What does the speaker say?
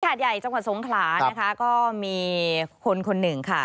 หาดใหญ่จังหวัดสงขลานะคะก็มีคนคนหนึ่งค่ะ